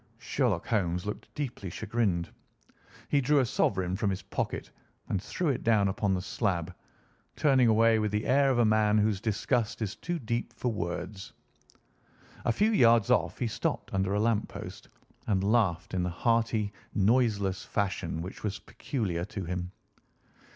Sherlock Holmes looked deeply chagrined. He drew a sovereign from his pocket and threw it down upon the slab, turning away with the air of a man whose disgust is too deep for words. A few yards off he stopped under a lamp post and laughed in the hearty, noiseless fashion which was peculiar to him.